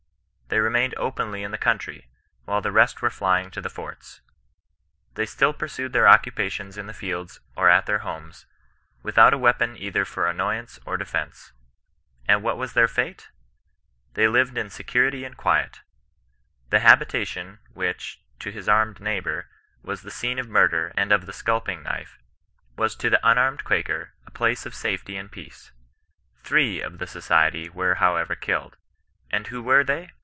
They remained openly in the country, while the rest were flying to the forts. They still pursued their occupations in the fidds or at their homes, without a weapon either for annoyance or defence. And what was then: fate 1 They lived in security and quiet. The habitation, which, to his armed neighbour, was the scene of murder and of the scaJping knife, was to the unarmed Quaker a place of safety and of peace. Three of the Society were however killed. And who were they